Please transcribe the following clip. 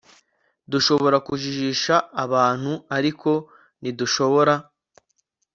dushobora kujijisha abantu ariko ntidushobora